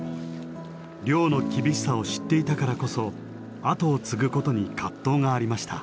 漁の厳しさを知っていたからこそ後を継ぐことに葛藤がありました。